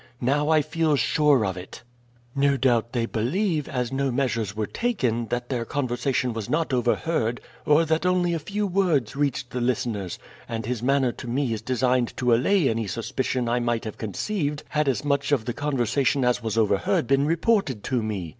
Now I feel sure of it. "No doubt they believe, as no measures were taken, that their conversation was not overheard or that only a few words reached the listeners, and his manner to me is designed to allay any suspicion I might have conceived had as much of the conversation as was overheard been reported to me.